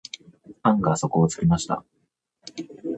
案が底をつきました。